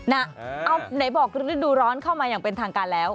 เอาไหนบอกฤดูร้อนเข้ามาอย่างเป็นทางการแล้ว